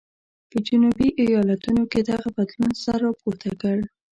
په جنوبي ایالتونو کې دغه بدلون سر راپورته کړ.